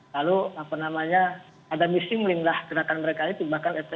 lalu apa namanya ada misi melinglah gerakan mereka itu bahkan fci nya dibibarkan